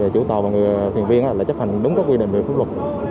chủ tàu và người thuyền viên là chấp hành đúng các quy định về phương luật